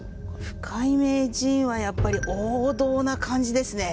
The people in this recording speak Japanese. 深井名人はやっぱり王道な感じですね。